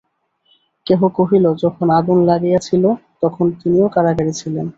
কেহ কহিল, যখন আগুন লাগিয়াছিল, তখন তিনিও কারাগারে ছিলেন।